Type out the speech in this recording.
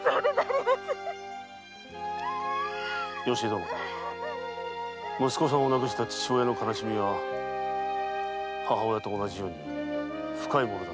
良江殿息子さんを亡くした父親の悲しみは母親と同じように深いものだと思う。